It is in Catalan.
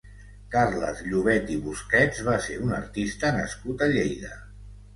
Carles Llobet i Busquets va ser un artista nascut a Lleida.